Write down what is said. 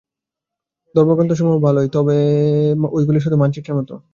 ধর্মগ্রন্থসমূহ ভালই, তবে ঐগুলি শুধু মানচিত্রের মত।